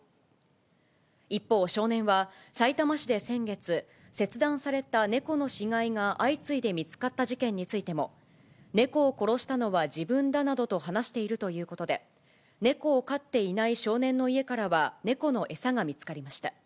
一方、少年は、さいたま市で先月、切断された猫の死骸が相次いで見つかった事件についても、猫を殺したのは自分だなどと話しているということで、猫を飼っていない少年の家からは猫の餌が見つかりました。